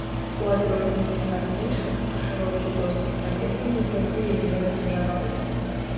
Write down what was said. У адрозненне ад іншых, шырокі доступ наведвальнікаў у яе абмежаваны.